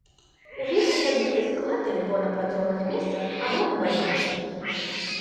Увесь асабісты склад альбо на працоўных месцах, альбо на бальнічным.